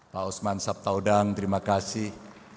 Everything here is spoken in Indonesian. pak osman sabtaudang terima kasih